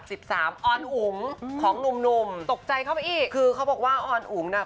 อกสู่วันตมปีกด้วยนะคะ